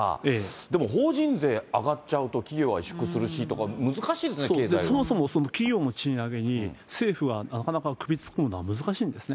でも、法人税上がっちゃうと企業は委縮するしとか、難しいんですそう、そもそも企業の賃上げに、政府はなかなか首突っ込むのは難しいんですね。